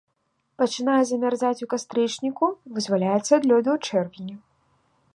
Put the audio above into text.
Пачынае замярзаць у кастрычніку, вызваляецца ад лёду ў чэрвені.